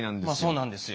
そうなんですよ。